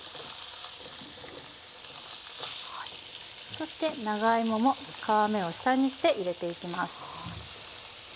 そして長芋も皮目を下にして入れていきます。